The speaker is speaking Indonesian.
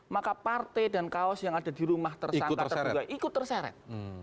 maka partai dan kaos yang ada di rumah tersangka terduga ikut terseret